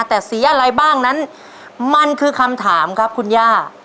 แต่สีอะไรบ้างนั้นมันคือคำถามครับคุณย่า